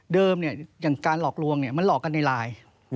อย่างการหลอกลวงมันหลอกกันในไลน์